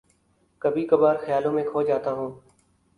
کبھی کبھار خیالوں میں کھو جاتا ہوں